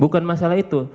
bukan masalah itu